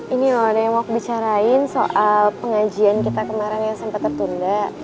ini loh ada yang mau bicarain soal pengajian kita kemarin yang sempat tertunda